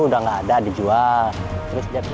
udah nggak ada dijual